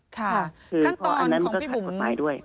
ค่ะอันนั้นก็คลัดตัวไม้ด้วย